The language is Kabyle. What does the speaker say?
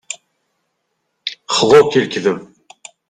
Xḍu-k i lekdeb.